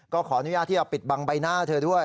ขออนุญาตที่จะปิดบังใบหน้าเธอด้วย